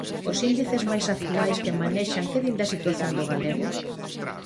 Os índices máis actuais que manexan que din da situación do galego?